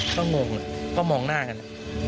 ต้องโมงต้องมองหน้ากัน